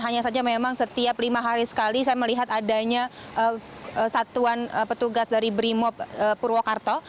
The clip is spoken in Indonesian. hanya saja memang setiap lima hari sekali saya melihat adanya satuan petugas dari brimob purwokarto